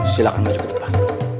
silahkan maju ke depan